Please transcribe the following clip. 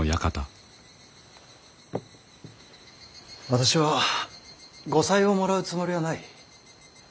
私は後妻をもらうつもりはない。